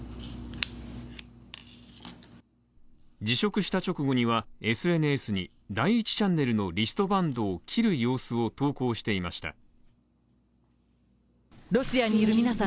辞職した直後にはＳＮＳに第１チャンネルのリストバンドを切る様子を投稿していました。